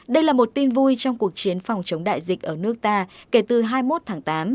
đây là một tin vui trong cuộc chiến phòng chống đại dịch ở nước ta kể từ hai mươi một tháng tám